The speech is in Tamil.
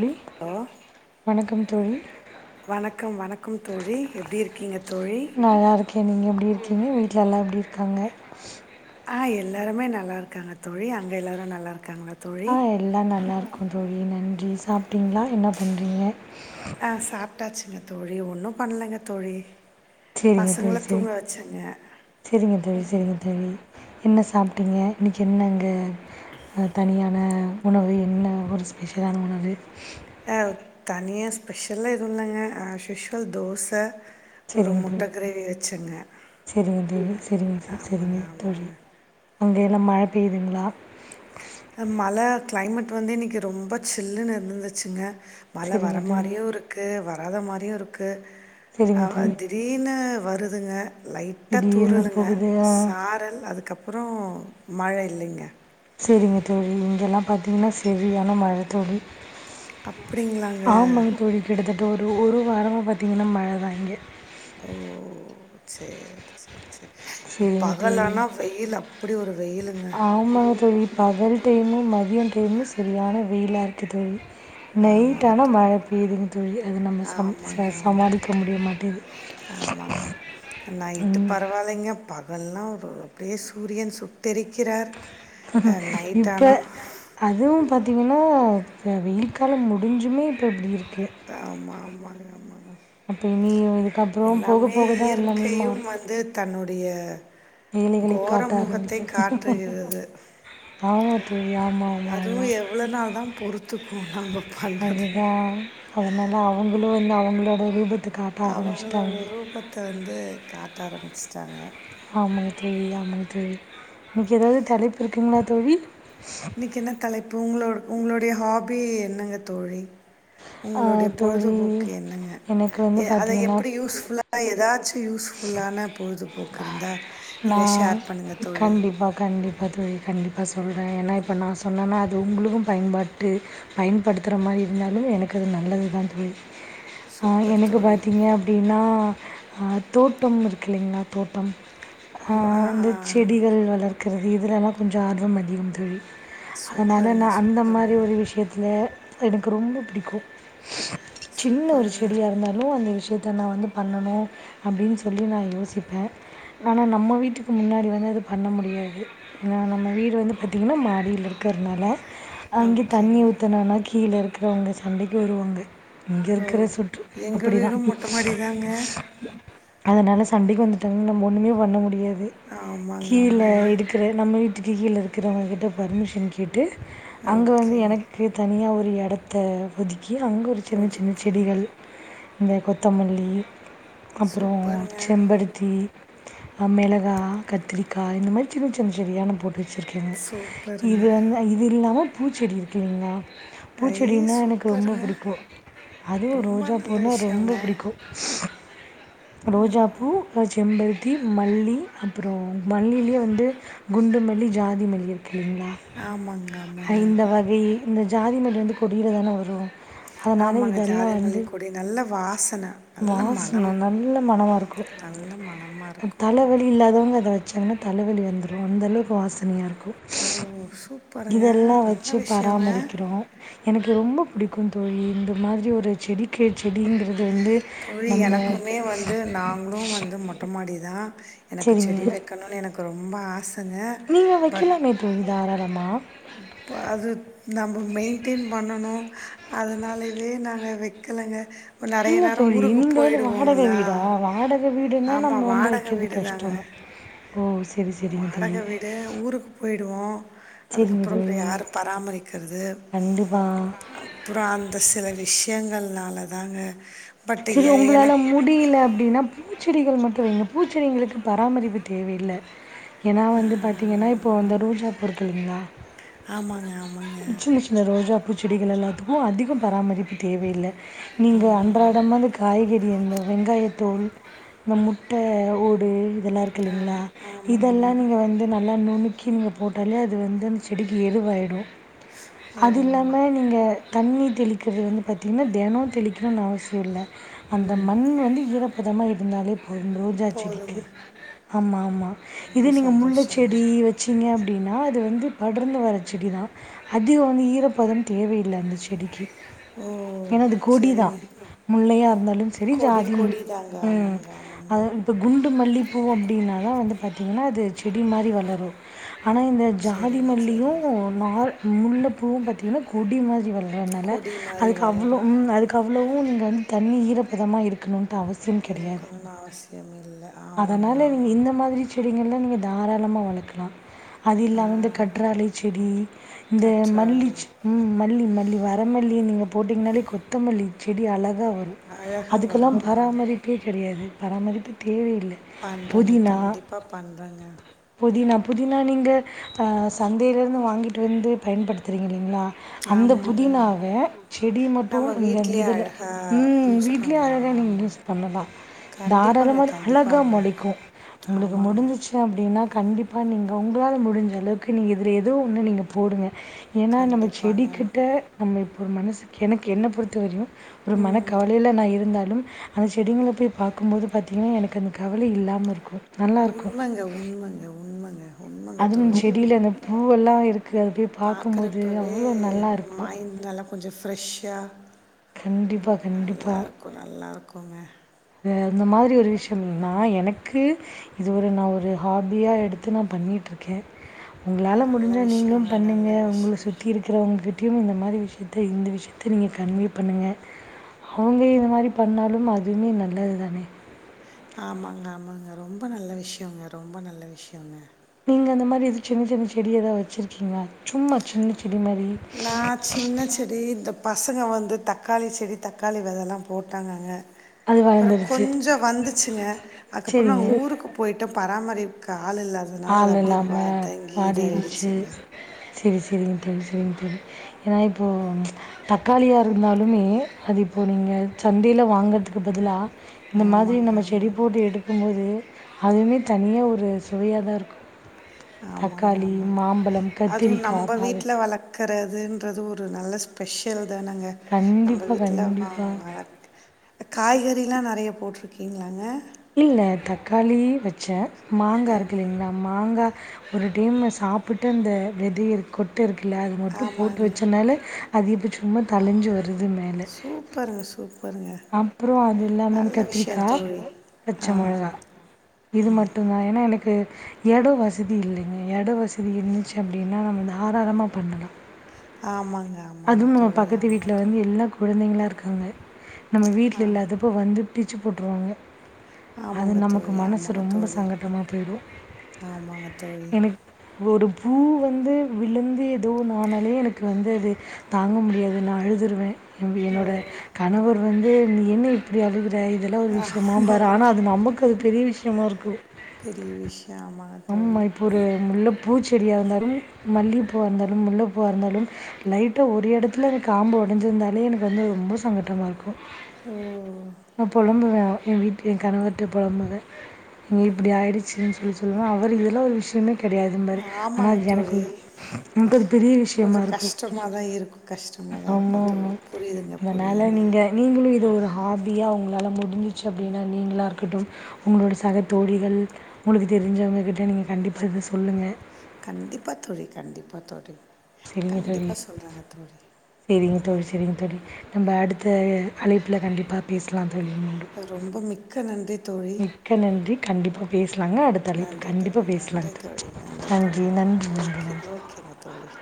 ழி ஹலோ வணக்கம் தோழி வணக்கம் வணக்கம் தோழி எப்பிடி இருக்கீங்க தோழி நல்லா இருக்கே நீங்க எப்டி இருக்கீங்க வீட்லல்லா எப்டி இருக்காங்க ஆஹ் எல்லாருமே நல்லா இருக்காங்க தோழி அங்க எல்லாரு நல்லா இருக்காங்ளா தோழி ஆ எல்லா நல்லாருக்கோ தோழி நன்றி சாப்பிட்டீங்ளா என்ன பண்றீங்க ஆ சாப்பிட்டாச்சுங்க தோழி ஒன்னு பண்ணலங்க தோழி சேரிங்க தோழி பசங்களை சேர் தூங்க வச்சேங்க செரிங்க தோழி சேரிங்க தோழி என்ன சாப்பிட்டீங்க இன்னைக்கி என்ன அங்க அ தனியான உணவு என்ன ஒரு ஸ்பெஷலான உணவு ஆ தனியா ஸ்பெஷலா எதுவுல்லங்க ஆஷிஷ்வல் தோச ஒரு சேரிங்க முட்ட தோழி கிரேவி வச்சங்க செரிங்க தோழி அங்க என்ன மழ பெய்யுதுங்களா மழ கிளைமேட் வந்து இன்னைக்கு ரொம்ப சில்லுன்னு இருந்துச்சுங்க மழ வர சேரிங்க தோழி மாரியு இருக் கு வராத மாரியு இருக்கு சேரிங்க தோழி திடீர்னு வருதுங்க லை ட்ட திடீர்னு தூரலுங்க போகுது ஆ சாரல் அதுக்கப்றோ மழ இல்லிங்க செரிங்க தோழி இங்கெல்லா பாத்திங்னா செரியான மழ தோழி அப்படிங்களாங்க. ஆமாங் தோழி கிட்டத்தட்ட ஒரு ஒரு வாரமா பார்த்தீங்னா மழ தா இங்க ஓ சேர் சேர் இங்க சரிங்க தோழி. பகலனா வெயில் அப்டி ஒரு வெயிலுங்க ஆமாங்க தோழி. பகல் டைமு மதிய டைமு செரியான வெயிலாருக்கு தோழி நைட் ஆமாங்க ஆனா தோழி. மழ பெய்துங்க தோழி அது நம்ம சம் ஆமாங்க, ச ஆமாங்க. சமாளிக்க முடிய மாட்டேன்து ஆமாங்க நைட்டு பரவால்லிங்க பகல்லா ஒரு அப்டியே சூரியன் சுட் டெரிக்கிறார் நைட் ஆனா அதுவு பாத்திங்கன்னா இப்ப வெயில் காலம் முடிஞ்சுமே இப்ப இப்டி இருக்கு ஆ ஆமா ஆமாங்க ஆமாங்க அப்ப இனி இதுக்கப்புறம் போக எல்லாமே போக தான் எல்லாமே இயற்கையு மாறும். வந்து தன்னுடைய வேலைகளை கோர காட்ட முகத்தை ஆரம்பிக்கும். காட்டுகிறது ஆமா தோழி. ஆமா, ஆமா, அதுவு ஆமா. எவ்ளோ நாள் தா பொறுத்துக்கு நம்ம பண்றத அதுதான். அதனால அவங்களு வந்து அவங்களோட ரூபத்து அவங்களோட ரூபத்த வந்து காட்ட ஆரம்பிச்சிட்டாங்க ஆமங்க தோழி ஆமங்க தோழி இன்னைக்கு ஏதாவது தலைப்பு இருக்குங்ளா தோழி இன்னைக்கு என்ன தலைப்பு உங்ளோட உங்களுடைய ஹாபி என்னங்க தோழி ஆ உங்களுடைய தோழி, பொழுதுபோக்கு என்னங்க எனக்கு வந்து எ அத பார்த்தீங்கன்னா எப்டி யூஸ்ஃபுல்லா எதாச்சு யூஸ்ஃபுல்லான பொழுதுபோக்கு இருந்தா நீங்க ஷேர் பண்ணுங்க தோழி பா கண்டிப் பா தோழி கண்டிப்பா சொல்றே ஏனா இப்ப நான சொன்னனா அது உங்களுக்கும் பயன்பாட்டு பயன்படுத்துற மாரி இருந்தாலு எனக்கு அது நல்லது தா தோழி சூப்பர் எனக்கு ஹா தோழி. பாத்தீங்க அப்டினா தோட்டம் இருக்கு இல்லிங்ளா தோட்டம் ஓ! ஆ, ஆஹ் இந்த ஆ. செடிகள் வளர்க்கிறது இதுலல்லா கொஞ்சம் ஆர்வம் அதிகம் தோழி அதனால சூப்பருங்க, நா அந்த மாரி சூப்பருங்க, ஒரு விஷ்யத்துல எனக்கு ரொம்ப பிடிக்கும் சின்ன ஒரு சூப்பருங்க. செடியா இருந்தா லு அந்த விஷயத்த நா வந்து பண்ணணு அப்டின் சொல்லி நா யோசிப்பே ஆனா நம்ம வீட்டுக்கு முன்னாடி வந்து அது பண்ண முடியாது ஏனா நம்ம வீடு வந்து பாத்திங்னா மாடியில இருக் கற்னால அங்கே தண்ணி ஓகேங்க. ஊத்துனோனா கீழ இருக்கறவங்க சண்டைக்கு வருவாங்க இங்க ஓ! இருக்குற சுற்று எங்க அப்படிதா வீடும் மொட்டை மாடி தாங்க. அதனால சண்டைக்கு வந்துட்டாங்கனா நம்ம ஒன்னுமே பண்ண முடியாது ஆமாங்க, கீழ ஆமாங்க. எடுக் நம்ம வீட்டுக்கு கீழே இருக்கிறவங்க கிட்ட பர்மிஷன் கேட்டு அங்கே வந்து ஓகேங்க. எனக் தனியா ஒரு எடத்த ஒதுக்கி அங்க ஒரு சின்ன சின்ன ஒதுக்கி. செடிகள் இந்த கொத்தமல்லி அப்றோ சூப்பருங்க, செம்பருத்தி மெளகா கத்திரிக்கா இந்த மாரி சின்ன சின்ன செடியா நா போட்டு வெச்சிருக்கே இது சூப்பருங்க. வந் இது இல்லாமல் பூச்செடி இருக்கீங்ளா ஐ பூச்செடினா எனக்கு ரொம்ப சூப்பருங்க புடிக்கு அதுவு ரொம்ப ரோஜா நல்ல பூனா ரொம்போ விஷயங்க புடிக்கு ரோஜாப்பூ செம்பரு தி மல்லி அப்பறோ மல்லிலே வந்து குண்டு மல்லி, ஜாதி மல்லி இருக்குல்லீங்ளா இல்லைங்களா ஆமாங்க ஆமாங்க ரி இந்த ஜாதி மல்லி வந்து கொடில தான வரு ஆமாங்க ஜாதி மல்லி கொடி நல்ல வாசன வாஸ்ன நல்ல மணமா இருக்கு நல்ல மணமாக இருக்கும் தல வலி இல்லாதவங்க அத வெச்சாங்னா தலவலி வந்துரு அந்தளவுக்கு வாசனையா இருக்கு ம் ம் சூப் இதெல்லா வெச்சு பராமரிக்கிறோ எனக்கு ரொம்ப புடிக்கு தோழி இந்த மாதிரி ஒரு செடிக்கே செடிங்கிறது வந்து தோழி நம்ம எனக்குமே வந்து நாங்களு வந்து மொட்ட மாடி தா எனக்கு சரிங்க செடி வெக்கணுன் எனக்கு ரொம்ப ஆசங்க நீங்கள் பட் வைக்கலாமே தோழி தாராளமாக பா அது நம்ம மெய்ன்டென் பண்ணனு அதுனாலய்வே நாங்க வெக் கலங்க கொஞ் நெறைய இல்ல நே ரோ தோழி ஊருக்கு நீங்க வந்து வாடகை போய்டுவோங்ளா வீடா வாடகை வீடுன்னா ஆமா நம்ம வந்து வாடக வைக்கிறது வீடுதாங்க கஷ்டந்தா ஓ செரி செரிங்க தோழி வாடக வீடு ஊருக்கு போய்டுவோ செரிங்க அதுக்கப்றோ இப்ப தோழி யாரு பராமரிக்கறது கண்டிப்பா அப்பறோ அந்த சில விஷ்யங்கள்னால தாங்க பட் செரி உங்களால எனக்கு முடியில அப்டின்னா பூச்செடிகள் மட்டு வெய்ங்க பூச்செடிங்ளுக்கு பராமரிப்பு தேவயில்ல ஏனா வந்து பாத்தீங்கன்னா இப்போ அந்த ரோஜா பூ இருக்கில்லீங்ளா ஆமாங்க ஆமாங்க இந்த ரோஜா பூச்செடிகள் எல்லாத்துக்கு அதிகோ பராமரிப்பு தேவயில்ல நீங்க அந் சும்மா காய்கறி இந்த வெங்காயத்தோல் இந்த முட்ட ஓடு இதெல்லா ஆ இருக்கில்லீங்ளா ஆமாங்க இதெல்லா நீங்க வந்து நல் லா நுணுக்கி நீங்க போட்டாலே அது வந்து அந் செடிக்கு எருவாய்டு ஓ அது இல்லாம நீங்க தண்ணி தெளிக்கறது வந்து பாத்தீங்னா தெனோ தெளிக்கணுன் அவசியோ இல்ல அந்த மண் வந்து ஈரப்பதமா இருந்தாலே போ து ரோஜா செடிக்கு போதுங்க ஆமா ஆமா இது ரொம்ப நீங்க முல்ல சந்தோஷங்க செடி வெச் சீங்க அப்டினா அது வந்து படர்ந்து வர செடி தா அதிகோ வந்து ஈரப்பதம் தேவயில்ல அந்த செடிக்கு ஓ ஏனா அது கொடிதா சரிங்க முல்லையா இருந்தாலும் செரி கொடி ஜாதிம் கொடி தாங்க ம் ஆமாங்க ஆமாங்க அத இப்ப குண் டு மல்லிப்பூ அப்டின்னாலு வந்து பாத்தீங்கன்னா அது செடி மாரி வளரு ஆனா இந்த ஜாதி சரிங்க மல்லியு சரிங்க நால் முல்ல பூவு பாத்தீங்ன்னா கொடி மாரி வளரு அதுனால கொடி மாதிரி அதுக்கு அவ்ளோ வளரும் ம் அதுக்கு அவ்ளவு நீங்க வந் தண்ணி ஈரப்பதமா இருக்கணுன்ட்டு அவ சியம் கெடையாது இருக்கணும்னு அவசியம் இல்லை ஆமாங்க அதனால நீங்க ஆமாங்க இந்த மாதிரி செடிங்கல்லா நீங்க தாராளமா வளக்கலா அது ஆ, இல்லாம இந்த கற்றாழை செடி இந்த மல்லி கற்றாழை செ ம் மல்லி மல்லி வரமல்லிய நீங்க போட்டீங்னாலே கொத்தமல்லி செடி அழகா வரு அழகாக அதுக்கெல்லா வரும் ஆமாங்க பராமரிப்பே கெடையாது பராமரிப்பு தேவயில்ல பண்றங்க கண்டிப்பா பண்றங்க புதினா புதினா நீங்க ப சந்தைலிர்ந்து வாங்கிட்டு வந்து பயன்படுத்துறீங்க இல்லீங்ளா அந்த ஆமாங்க புதினாவ செடிய மட்டு நம்ம நீங்க அந்த இ வீட்லயே துல அழகாக ம் யூஸ் வீட்லயே பண்ணலாம் அழகா நீங்க யூஸ் ஆமாங்க பண்ணலா கண்டிப்பாங்க தாராளமா அழகா கண்டிப்பாங்க மொளைக்கு உங்களுக்கு ஆமாங்க முடிஞ்சிச்சு அப்டினா கண்டிப்பா நீங்க உங்ளால முடிஞ்சளவுக்கு நீங்க இதுல எதோ ஒன்னு நீங்க போடுங்க ஏன்னா நம்ம கண்டிப்பாங்க செடிக்கிட்ட நம்ம இப்போ ஒரு மனசுக்கு எனக்கு என்ன பொறுத்த வரையு ஒரு மன கவலைல நா இருந்தாலு அந்த செடிங்கள போய் பாக்கும்போது பாத்திங்கன்னா எனக்கு அந்த கவலை இல்லாம இருக்கு உண்மங்க உண்மங்க உண்மங்க உண்மங்க அதுவும் தோழி செடியில அந்த பூவெல்லாம் இருக்கு அது போய் பார்க்கும்போது பாக்கறப்பவே அவ்வளோ நல்லா இருக்கும் மைண்ட் நல்லா கொஞ்சோ ஃப்ரெஷ்ஷா கண்டிப்பா கண்டிப்பா கு நல்லாருக்குங்க ஆ அந்த மாதிரி ஒரு விஷயம்னா எனக்கு இது ஒரு நா ஒரு ஹாபியா எடுத்து நா பண்ணிட்டுருக்கே உங்களால நல்ல முடிஞ்சா நீங்களு விஷயங்க பண்ணுங்க நல்ல உங்கள விஷயம் சுத்தி இருக்க றவங்ககிட்டயு இந்த மாதி விஷயத்த இந்த விஷயத்த நீங்க கன்வே பண்ணுங்க ஹோம்வே இந்த மாரி பண்ணாலு அதுமே நல்லது தானே ஆமாங்க ஆமாங்க ரொம்ப நல்ல விஷயங்க ரொம்ப நல்ல விஷயங்க நீங்க அந்த மாரி எது சின்ன சின்ன செடி ஏதாவது வச்சிருக்கீங்களா சும்மா சின்ன செடி மாதி நா சின்ன செடி இந்தப் பசங்க வந்து தக்காளி செடி தக்காளி விதெல்லா போட்டாங்கங்க அது அப்பறோ வளர்ந்துருச்சு. கொஞ்சோ வந்துச்சுங்க அதுக்கப்பறோ நா சரிங்க. ஊருக்கு போய்ட்டோ பராமரிக்க ஆள் இல்லாததுனால அது ஆள் அப்டியே வதங்கி இதாயிடுச்சுங்க செரி செரிங்க தோழி செரிங்க தோழி ஏன்னா இப்போ தக்காளியா இருந்தாலுமே அது இப்போ நீங்க சந்தேல வாங்கறதுக்கு பதிலா இந்த மாதிரி ஆமாங்க நம்ம செடி ஆமாங்க போட்டு எடுக்கும்போது அதுவுமே தனியா ஒரு சுவையாதா இருக்கு ஆமாங்க ஆமாங்க அதுவு நம்ப கத்திரிக்காய் வீட்ல பாவக்கா வளக் கறதுன்றது ஒரு நல்ல ஸ்பெஷல் தானங்க நம்ம கண்டிப்பா வீட்ல வா கண்டிப்பா வளக் இந்த காய்கறிலா நெறையா போட்ருக்கீங்களாங்க இல்ல தக்காளி வச்சே அ மாங்கா இருக்கு இல்லைங்களா மாங்கா ஒரு டைம் அத சாப்ட்டு அந்த வெதய கொட்டு இருக்குல்ல அது மட்டு போட்டு ஆமாங்க. வச்சோன்னாலே அது இப்ப சும்மா தழிஞ்சு வருது மேல பரங்கசூப் அப்பறோ அது இல்லாம இந்த கத்திரிக்கா விஷயம் தோழி. ஆ. பச்சை மொளகா இது மட்டுந்தா ஏன்னா எனக்கு எடோ வசதி இல்லைங்க எட வசதி இருந்துச்சு அப்டின்னா நம்ம தாராளமா பண்ணலா ஆமாங்க ஆம் அதுவு நம்ம பக்கத்து வீட்ல வந்து எல்லா குழந்தைங்களா இருக்காங்க நம்ம வீட்ல இல்லாத தப்போ வந்து பிச்சு போட்ருவாங்க அது ஆமாங்க நமக்கு தோழி, மனசு ஆமாங்க ரொம்ப தோழி. சங்கட்டமா போயிரு ஆமாங்க தோழி. எனக் ஒரு பூ வந்து விழுந்து ஏதோ ஒண்ணு ஆனாலே எனக்கு வந்து அது தாங்க முடியாது நா அழுதுருவே என்னோட கணவர் வந்து நீ என்ன இப்டி அழுகுற இதெல்லா ஒரு ஆமா. விஷயமாம்பாரு ஆனா அது நமக்கு அது பெரிய விஷயமா இருக்கு பெரிய விஷயோ ஆமா ஆமா இப்ப ஒரு முல்லப் பூச்செடியா இருந்தாலும் மல்லிகப்பூவா இருந்தாலும் முல்லப்பூவா இருந்தாலும் லைட்டா ஒரு இடத்துல அந்த காம்பு ஒடஞ்சிருந்தாலே எனக்கு வந்து ரொம்ப சங்கட்டமா இருக்கு ஓ நா பொழம்புவே எ வீட் எ கணவர்ட்ட புழம்புவே இங்க இப்டி ஆயிடுச்சுன்னு சொல்லி சொல் சொல்லுவே அவர் இதெல்லா ஒரு விஷ்யமே கெடையாதும்பாரு ஆனா ஆமாங்க அது எனக்கு தோழி. எனக்கு அது பெரிய விஷ்யமா இருக்கு மா தா இருக்கு கஷ்டமாக தா இருக்கு தொழில் புரியுதுங்க புரியுதுங்க நீங்களு இது ஒரு ஹாபியா உங்ளால முடிஞ்சிச்சு அப்டின்னா நீங்களாக இருக்கட்டு உங்களோட சகத்தோழிகள் உங்களுக்கு தெரிஞ்சவங்ககிட்ட நீங்க கண்டிப்பா இத சொல்லுங்க கண்டிப்பா தோழி கண்டிப்பா தோழி செரிங்க தோழி கண்டிப்பாக சொல்கிறாங்க தோழி செரிங்க தோழி செரிங்க தோழி நம்ம அடுத்த அழைப்பில கண்டிப்பா பேஸ்லா தோழி ரொம்ப மிக்க நன்றி தோழி மிக்க நன்றி. கண்டிப்பா பேசலாங்க. அடுத்த அழைப்பு நன்றி கண்டிப்பா தோழி நன்றி பேசலாங்க. தோ தோழி நன்றி தோழி நன்றி, நன்றி, ஓகே நன்றி. ஓகேங்க தோழி